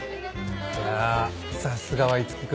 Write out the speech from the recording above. いやぁさすがは五木君。